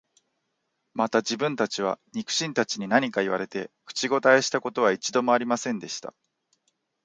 また自分は、肉親たちに何か言われて、口応えした事は一度も有りませんでした